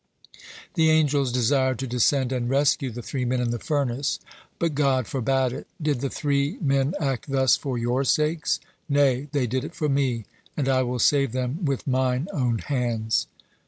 The angels desired to descend and rescue the three men in the furnace. But God forbade it: "Did the three men act thus for your sakes? Nay, they did it for Me; and I will save them with Mine own hands."